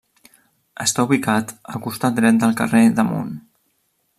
Està ubicat al costat dret del carrer d'Amunt.